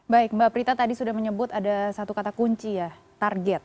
baik mbak prita tadi sudah menyebut ada satu kata kunci ya target